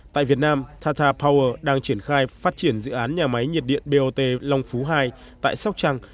tại việt nam thatar power đang triển khai phát triển dự án nhà máy nhiệt điện bot long phú hai tại sóc trăng